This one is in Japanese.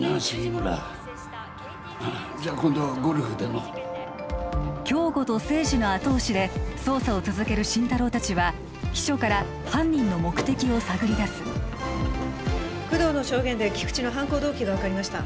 じゃあ今度ゴルフでも京吾と清二の後押しで捜査を続ける心太朗達は秘書から犯人の目的を探り出す工藤の証言で菊知の犯行動機が分かりました